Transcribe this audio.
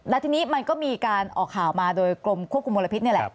และทีนี้มันก็มีการออกข่าวมาโดยกรมควบคุมมลพิษนี่แหละ